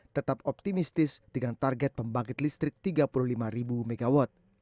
tetap optimistis dengan target pembangkit listrik tiga puluh lima mw